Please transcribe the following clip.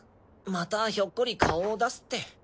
またひょっこり顔を出すって。